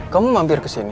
kamu mampir ke sini